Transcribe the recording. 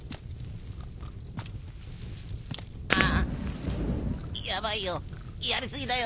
ああヤバいよやり過ぎだよ。